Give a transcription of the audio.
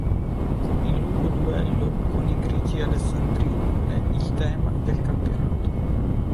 Il lungo duello con i grigi alessandrini è il tema del campionato.